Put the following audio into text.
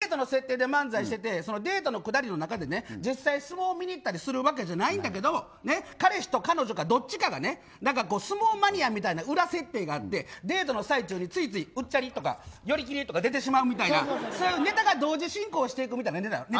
デートの設定で漫才しててデートの下りの中で実際、相撲を見に行ったりするわけじゃないんだけど彼氏と彼女がどっちかが相撲マニアみたいな裏設定があってデートの最中についつい、うっちゃり！とか寄り切り！って出てしまうみたいなネタが同時進行していくみたいな。